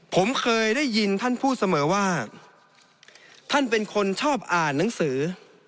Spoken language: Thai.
ผมเคยได้ยินท่านพูดเสมอว่าท่านเป็นคนชอบอ่านหนังสือ